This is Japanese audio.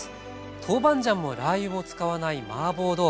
豆板醤もラー油も使わないマーボー豆腐。